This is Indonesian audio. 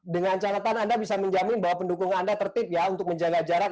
dengan catatan anda bisa menjamin bahwa pendukung anda tertip ya untuk menjaga jarak